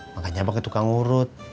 makanya abang ketukang urut